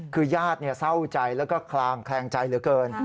คือญาติเศร้าใจแล้วก็คลางแคลงใจเหลือเกิน